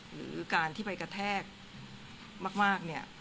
หรือการที่ไปกระแทกมากเนี่ย